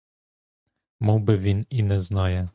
Мовби він і не знає!